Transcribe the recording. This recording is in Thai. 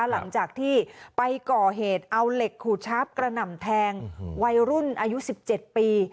หลังจากที่ไปก่อเหตุเอาเหล็กขูดชาปกระหน่ำแทงวัยรุ่นอายุ๑๗ปี